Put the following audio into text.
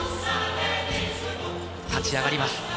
立ち上がります。